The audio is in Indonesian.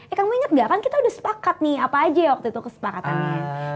ya kang banyak gak kan kita udah sepakat nih apa aja ya waktu itu kesepakatannya